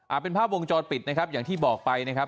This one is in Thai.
เป็นภาพวงจรปิดนะครับอย่างที่บอกไปนะครับ